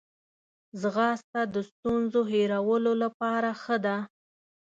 ځغاسته د ستونزو هیرولو لپاره ښه ده